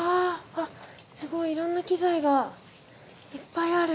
あっすごいいろんな機材がいっぱいある。